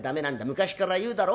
昔から言うだろ？